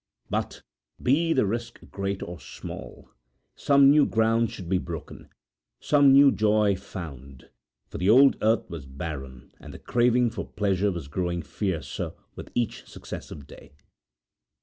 But, be the risk great or small, some new ground should be broken some new joy found, for the old earth was barren, and the craving for pleasure was growing fiercer with each successive day.